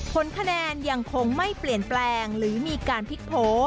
ผลคะแนนยังคงไม่เปลี่ยนแปลงหรือมีการพลิกโผล่